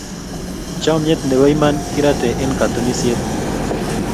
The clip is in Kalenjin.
chamyet Nebo iman kirate Eng katunisiet